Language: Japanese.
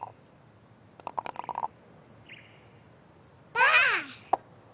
ばあっ！